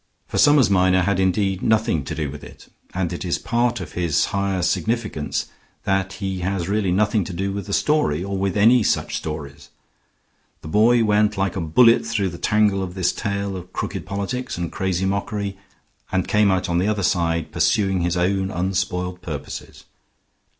For Summers Minor had indeed nothing to do with it; and it is part of his higher significance that he has really nothing to do with the story, or with any such stories. The boy went like a bullet through the tangle of this tale of crooked politics and crazy mockery and came out on the other side, pursuing his own unspoiled purposes.